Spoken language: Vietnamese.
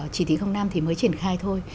chỉ thị năm thì mới triển khai thôi